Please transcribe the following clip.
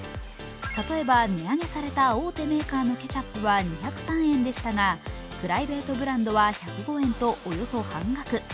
例えば、値上げされた大手メーカーのケチャップは２０３円でしたがプライベートブランドは１０５円とおよそ半額。